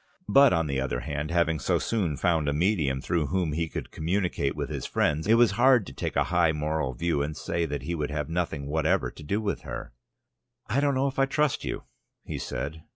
But, on the other hand, having so soon found a medium through whom he could communicate with his friends, it was hard to take a high moral view, and say that he would have nothing whatever to do with her. "I don't know if I trust you," he said.